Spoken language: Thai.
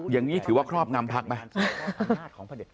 อย่างนี้ถือว่าครอบงำพักไป